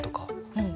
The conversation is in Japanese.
うん！